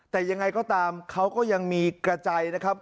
แต่ยังไงก็ตามเขาก็ยังมีกระจายนะครับ